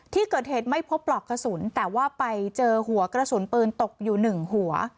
ที่เกิดเหตุไม่พบปลอกกระสุนแต่ว่าไปเจอหัวกระสุนปืนตกอยู่หนึ่งหัว